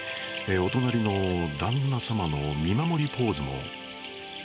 お隣の旦那様の見守りポーズもすてきです。